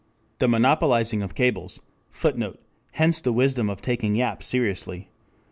The monopolizing of cables, [Footnote: Hence the wisdom of taking Yap seriously.